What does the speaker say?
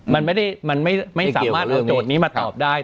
มันไม่สามารถเอาโจทย์นี้มาตอบได้